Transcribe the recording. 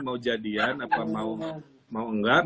mau jadian apa mau enggak